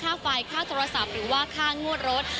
ค่าไฟค่าโทรศัพท์หรือว่าค่างวดรถ